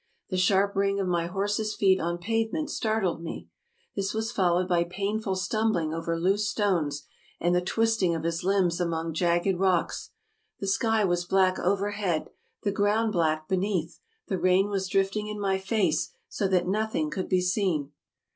The sharp ring of my horse's feet on pave ment startled me. This was followed by painful stumbling over loose stones, and the twisting of his limbs among jagged rocks. The sky was black overhead, the ground black be neath ; the rain was drifting in my face, so that nothing could be seen.